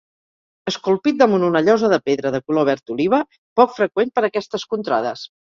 Esculpit damunt una llosa de pedra de color verd oliva, poc freqüent per aquestes contrades.